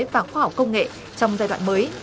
và khoa học công nghệ trong giai đoạn mới